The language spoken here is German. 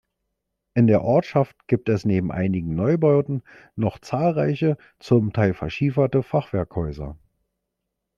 In der Ortschaft gibt es neben einigen Neubauten noch zahlreiche, zum Teil verschieferte, Fachwerkhäuser.